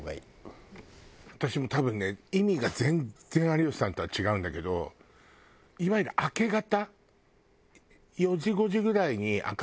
私も多分ね意味が全然有吉さんとは違うんだけどいわゆる明け方。